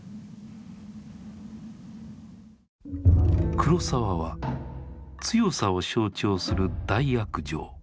黒澤は強さを象徴する「大悪尉」